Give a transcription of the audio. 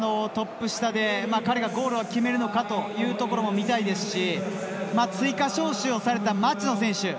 彼がゴールを決めるのかというところも見たいですし追加招集された町野選手。